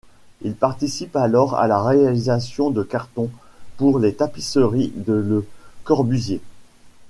Il participe alors à la réalisation de cartons pour les tapisseries de Le Corbusier.